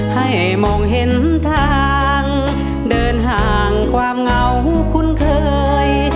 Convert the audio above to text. ให้มองเห็นทางเดินห่างความเหงาคุ้นเคย